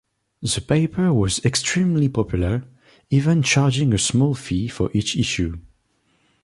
The paper was extremely popular, even charging a small fee for each issue.